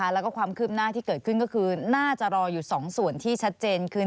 แล้วก็ความคืบหน้าที่เกิดขึ้นก็คือน่าจะรออยู่๒ส่วนที่ชัดเจนขึ้น